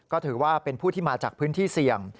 ก็ถือว่าเป็นผู้ที่มาจากพื้นที่เสี่ยง